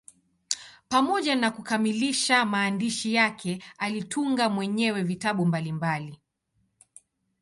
Pamoja na kukamilisha maandishi yake, alitunga mwenyewe vitabu mbalimbali.